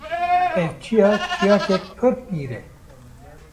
Ev çiya çiyakek pir pîr e